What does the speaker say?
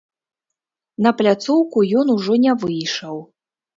На пляцоўку ён ужо не выйшаў.